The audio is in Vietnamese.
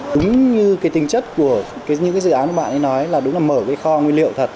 đúng như cái tinh chất của những cái dự án các bạn ấy nói là đúng là mở cái kho nguyên liệu thật